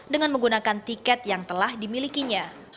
dengan menggunakan tiket yang telah dimilikinya